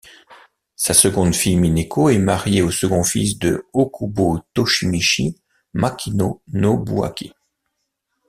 Sa seconde fille Mineko est mariée au second fils de Ōkubo Toshimichi, Makino Nobuaki.